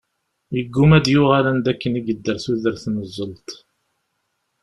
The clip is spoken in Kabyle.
Yegguma ad d-yuɣal anda akken i yedder tudert n zzelṭ.